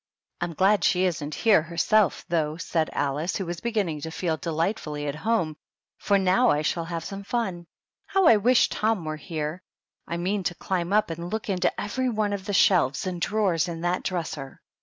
" I'm glad she isn't here herself, though," said Alice, who was beginning to feel delightfully at home, " for now I shall have some fun. How I wish Tom were here! I mean to climb up and }ook into every one of the shelves and drawers in that dresser."